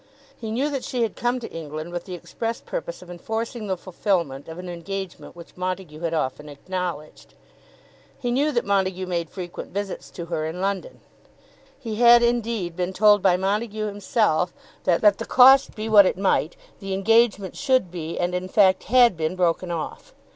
He knew that she had come to England with the express purpose of enforcing the fulfilment of an engagement which Montague had often acknowledged. He knew that Montague made frequent visits to her in London. He had, indeed, been told by Montague himself that, let the cost be what it might, the engagement should be and in fact had been broken off.